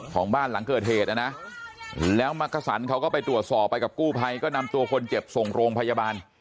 ของบ้านหลังเกิดเหตุนะนะแล้วมักกษันเขาก็ไปตรวจสอบไปกับกู้ภัยก็นำตัวคนเจ็บส่งโรงพยาบาล